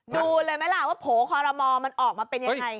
ดูเลยไหมล่ะว่าโผล่คอรมอลมันออกมาเป็นยังไง